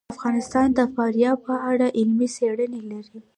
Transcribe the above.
افغانستان د فاریاب په اړه علمي څېړنې لري.